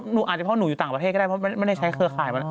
อาจจะเพราะหนูอยู่ต่างประเทศก็ได้เพราะไม่ได้ใช้เครือข่าย